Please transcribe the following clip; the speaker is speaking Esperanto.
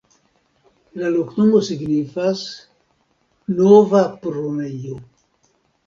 La loknomo signifas: nova-prunejo.